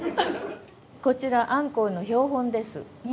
こちらアンコウの標本です。